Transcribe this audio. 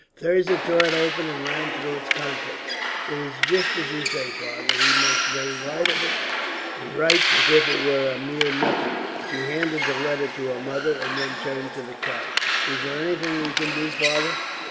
Thirza tore it open, and ran through its contents. "It is just as you say, father. He makes very light of it, and writes as if it were a mere nothing." She handed the letter to her mother, and then turned to the count. "Is there anything we can do, father?"